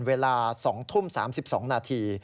เวลา๒ทุ่ม๓๒นาที